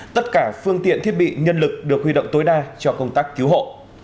tất cả phương tiện thiết bị nhân lực được huy động tối đa cho công tác cứu hộ